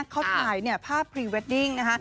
เขาถ่ายภาพพรีเวดดิ้งนะคะ